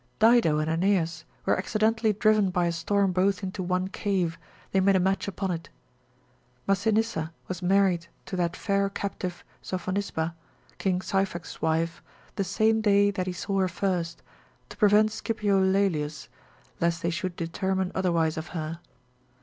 Dido and Aeneas were accidentally driven by a storm both into one cave, they made a match upon it; Massinissa was married to that fair captive Sophonisba, King Syphax' wife, the same day that he saw her first, to prevent Scipio Laelius, lest they should determine otherwise of her.